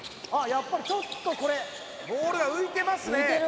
やっぱりちょっとこれボールが浮いてますね